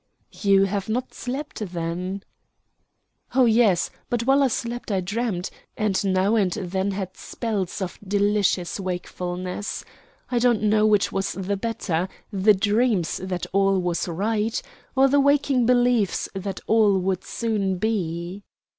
"You have not slept, then?" "Oh, yes. But while I slept I dreamt, and now and then had spells of delicious wakefulness. I don't know which was the better the dreams that all was right, or the waking beliefs that all would soon be."